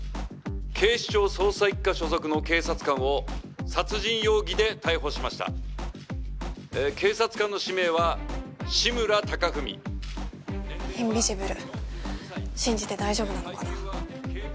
警視庁捜査一課所属の警察官を殺人容疑で逮捕しました警察官の氏名は志村貴文インビジブル信じて大丈夫なのかな？